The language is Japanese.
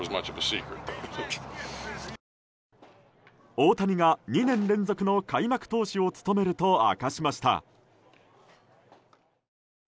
大谷が２年連続の開幕投手を務めると明かしました。